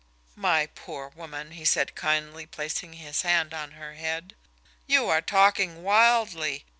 "My poor woman," he said kindly, placing his hand on her head, "you are talking wildly.